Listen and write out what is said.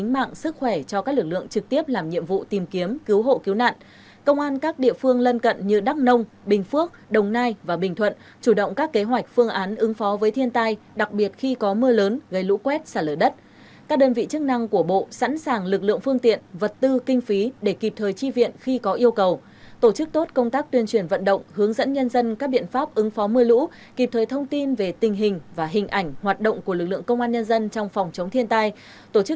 bộ cứu nạn công an các địa phương lân cận như đắk nông bình phước đồng nai và bình thuận chủ động các kế hoạch phương án ứng phó với thiên tai đặc biệt khi có mưa lớn gây lũ quét xả lở đất các đơn vị chức năng của bộ sẵn sàng lực lượng phương tiện vật tư kinh phí để kịp thời chi viện khi có yêu cầu tổ chức tốt công tác tuyên truyền vận động hướng dẫn nhân dân các biện pháp ứng phó mưa lũ kịp thời thông tin về tình hình và hình ảnh hoạt động của lực lượng công an nhân dân trong phòng chống thiên tai t